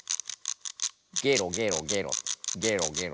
ゲロゲロゲロゲロゲロ。